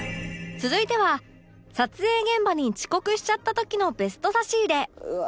続いては撮影現場に遅刻しちゃった時のベスト差し入れ